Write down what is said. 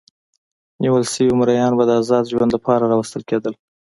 نیول شوي مریان به د ازاد ژوند لپاره راوستل کېدل.